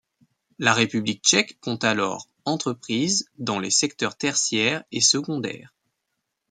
La République tchèque compte alors entreprises dans les secteurs tertiaire et secondaire.